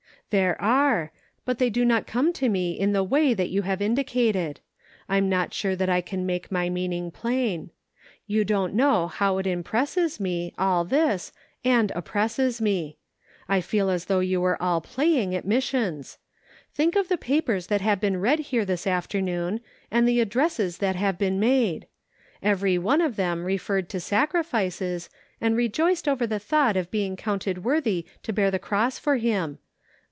"There are, but they do not come to me in the way that you have indicated. I'm not sure that I can make my meaning plain. You don't know how it impresses me, all this, and oppresses me. I feel as though you were all playing at missions. Think of the papers that have been read here this afternoon, and the addresses that have been made. Every Measuring Enthusiasm. 455 one of them referred to sacrifices, and rejoiced over the thought of being counted worthy to bear the cross for Him.